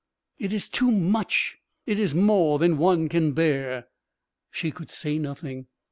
"It is too much it is more than one can bear!" She could say nothing.